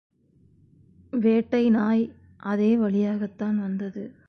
வேட்டை நாய் அதே வழியாகத்தான் வந்தது.